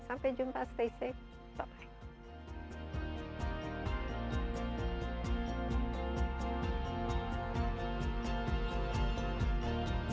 sampai jumpa stay safe bye bye